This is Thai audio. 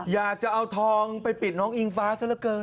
อยากจะเอาทองไปปิดน้องอิงฟ้าซะละเกิน